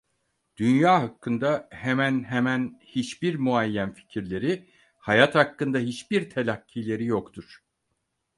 Dünya hakkında hemen hemen hiçbir muayyen fikirleri, hayat hakkında hiçbir telakkileri yoktur.